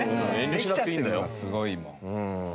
できちゃってるのがすごいもん。